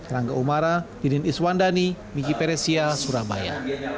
rangga umara didin iswandani miki peresia surabaya